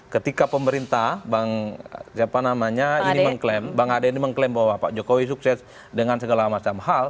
ketika pemerintah bang ade mengklaim bahwa pak jokowi sukses dengan segala macam hal